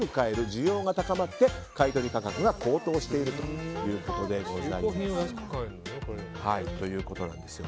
需要が高まって買い取り価格が高騰しているということです。